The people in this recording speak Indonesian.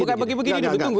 bukan begini tunggu tunggu